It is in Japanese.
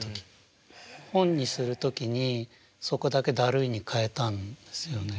本にする時にそこだけ「だるい」に変えたんですよね。